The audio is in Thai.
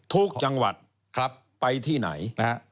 ทุกจังหวัดไปที่ไหน